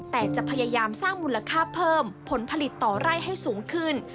แต่จะพยายามสร้างมูลค่าเพิ่มผลผลิตต่อไร่ให้สูงขึ้น